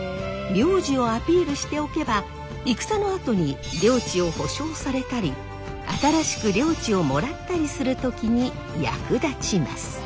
名字をアピールしておけば戦のあとに領地を保証されたり新しく領地をもらったりする時に役立ちます。